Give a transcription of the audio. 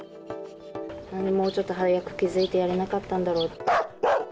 なんでもうちょっと早く気付いてやれなかったんだろう。